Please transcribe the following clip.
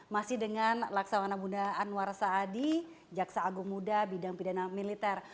masih dengan laksawana bunda anwar saadi jaksa agung muda bidang pidana militer